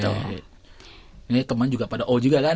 ini teman juga pada all juga kan